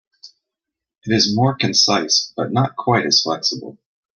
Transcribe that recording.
It is more concise but not quite as flexible.